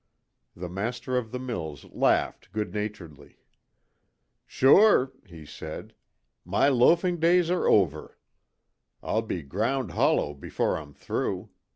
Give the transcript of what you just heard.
The master of the mills laughed good naturedly. "Sure," he said, "my loafing days are over. I'll be ground hollow before I'm through.